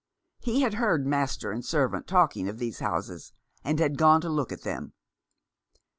He had heard master and servant talking of these houses, and had gone to look at them.